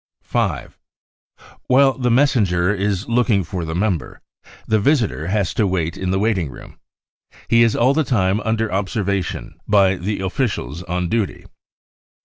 5. While the messenger is looking for the member, the visitor has to wait in the waiting room. He is all the time under observation by the officials on duty.